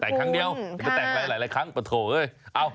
แตกครั้งเดียวแตกหลายครั้งปะโถ่เอ้ย